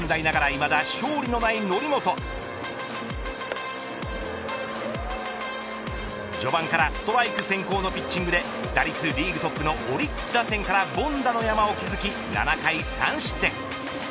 いまだ勝利のない則本序盤からストライク先行のピッチングで打率リーグトップのオリックス打線から凡打の山を築き７回３失点。